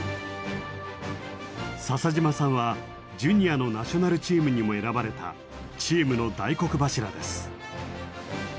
篠島さんはジュニアのナショナルチームにも選ばれたチームの大黒柱です。